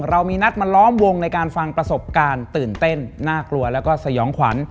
เรามีนัดมาล้อมวงในการฟังประสบการณ์ตื่นเต้นน่ากลัวแล้วก็สยองขวัญ